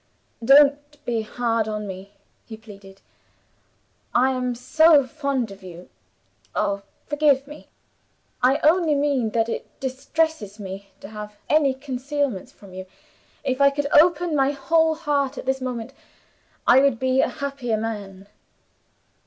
"Don't be hard on me," he pleaded. "I am so fond of you oh, forgive me! I only mean that it distresses me to have any concealments from you. If I could open my whole heart at this moment, I should be a happier man."